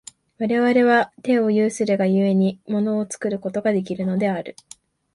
我々は手を有するが故に、物を作ることができるのである。